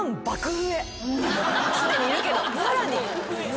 すでにいるけどさらに。